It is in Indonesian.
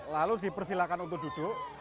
lalu dipersilakan untuk duduk